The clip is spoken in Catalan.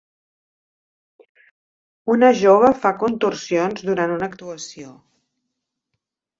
Una jove fa contorsions durant una actuació.